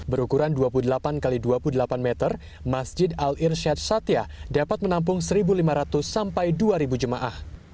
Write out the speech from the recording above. berukuran dua puluh delapan x dua puluh delapan meter masjid al irsyad satya dapat menampung satu lima ratus sampai dua jemaah